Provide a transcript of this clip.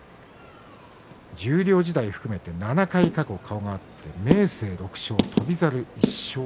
十両時代を含めて７回顔が合って明生６勝翔猿１勝。